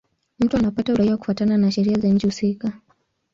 Mtu anapata uraia kufuatana na sheria za nchi husika.